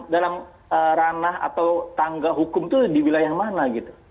dalam ranah atau tangga hukum itu di wilayah mana gitu